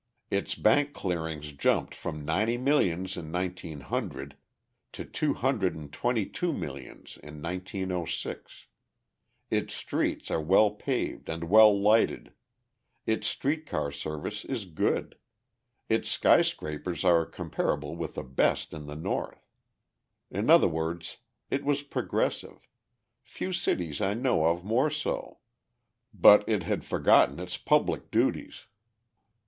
Its bank clearings jumped from ninety millions in 1900 to two hundred and twenty two millions in 1906, its streets are well paved and well lighted, its street car service is good, its sky scrapers are comparable with the best in the North. In other words, it was progressive few cities I know of more so but it had forgotten its public duties.